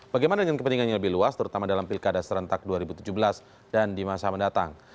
bagaimana dengan kepentingan yang lebih luas terutama dalam pilkada serentak dua ribu tujuh belas dan di masa mendatang